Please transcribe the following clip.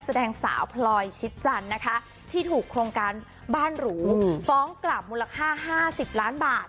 แสดงสาวพลอยชิดจันทร์นะคะที่ถูกโครงการบ้านหรูฟ้องกลับมูลค่า๕๐ล้านบาท